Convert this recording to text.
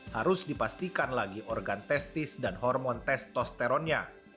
harus dipastikan lagi organ testis dan hormon testosteronnya